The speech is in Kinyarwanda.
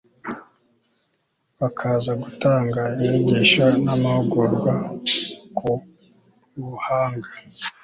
bakaza gutanga inyigisho namahugurwa ku buhanga